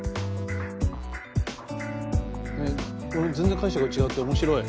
全然解釈が違って面白い。